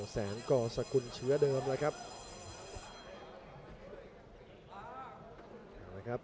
แสนก็จะคนเชื้อเดิมเลยครับ